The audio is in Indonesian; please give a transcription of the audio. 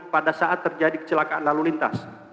pada saat terjadi kecelakaan lalu lintas